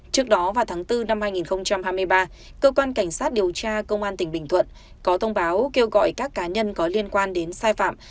trước đó vào tháng bốn năm hai nghìn hai mươi ba cơ quan cảnh sát điều tra công an tỉnh bình thuận có thông báo kêu gọi các cá nhân có liên quan đến sai phạm